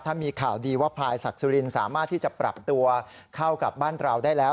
ถ้ามีข่าวดีว่าพลายศักดิ์สุรินสามารถที่จะปรับตัวเข้ากับบ้านเราได้แล้ว